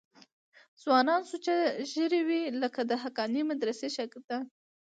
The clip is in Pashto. د ځوانانو سوچه ږیرې وې لکه د حقانیه مدرسې شاګردان.